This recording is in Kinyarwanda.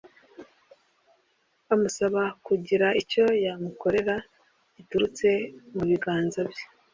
amusaba kugira icyo yamukorera giturutse mu biganza bye.